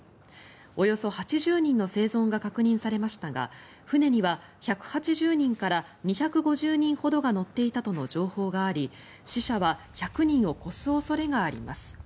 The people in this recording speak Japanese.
およそ８０人の生存が確認されましたが船には１８０人から２５０人ほどが乗っていたとの情報があり死者は１００人を超す恐れがあります。